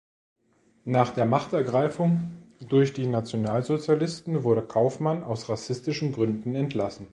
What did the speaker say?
Nach der Machtergreifung durch die Nationalsozialisten wurde Kaufmann aus rassischen Gründen entlassen.